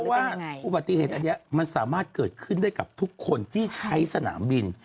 ว่าอุบัติเหตุอันนี้มันสามารถเกิดขึ้นได้กับทุกคนที่ใช้สนามบิน